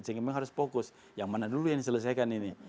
jadi memang harus fokus yang mana dulu yang diselesaikan ini